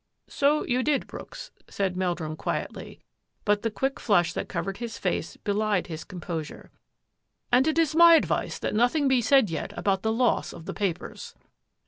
" So you did. Brooks," said Meldrum quietly, but the quick flush that covered his face belied his composure, " and it is my advice that nothing be said yet about the loss of the papers."